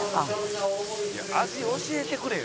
「いや味教えてくれよ！」